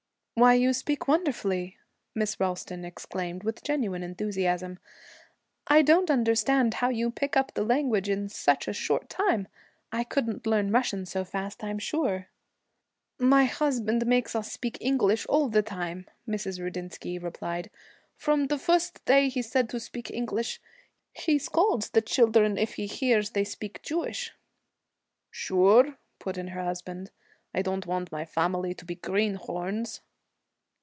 'Why, you speak wonderfully!' Miss Ralston exclaimed, with genuine enthusiasm. 'I don't understand how you pick up the language in such a short time. I couldn't learn Russian so fast, I'm sure.' 'My husband makes us speak English all the time,' Mrs. Rudinsky replied. 'From the fust day he said to speak English. He scolds the children if he hears they speak Jewish.' 'Sure,' put in her husband, 'I don't want my family to be greenhorns.'